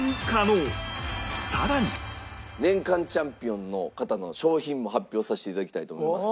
さらに年間チャンピオンの方の賞品も発表させて頂きたいと思います。